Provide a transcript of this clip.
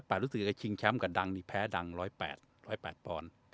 รู้สึกว่าชิงแชมป์กับดังแพ้ดัง๑๐๘ป